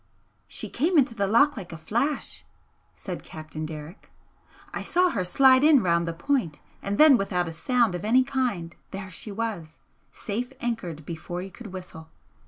"She came into the loch like a flash," said Captain Derrick "I saw her slide in round the point, and then without a sound of any kind, there she was, safe anchored before you could whistle.